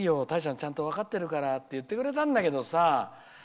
泰ちゃん、ちゃんと分かってるからって言ってくれたんだけどさ